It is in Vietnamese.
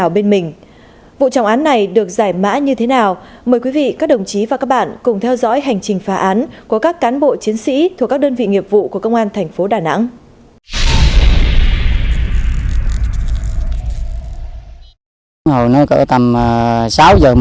vụ án này được giải mã như thế nào mời quý vị các đồng chí và các bạn cùng theo dõi hành trình phá án của các cán bộ chiến sĩ thuộc các đơn vị nghiệp vụ của công an thành phố đà nẵng